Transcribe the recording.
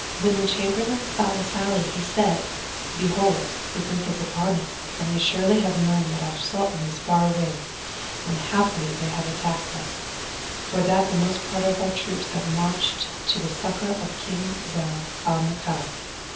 When the Chamberlain saw the sally, he said, "Behold, the Greek is upon us and they surely have learned that our Sultan is far away; and haply they have attacked us, for that the most part of our troops have marched to the succour of King Zau al Makan!"